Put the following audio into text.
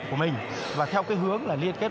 của mình và theo cái hướng là liên kết